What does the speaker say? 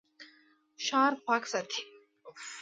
ښار پاک ساتئ